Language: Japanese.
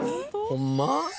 ホンマ？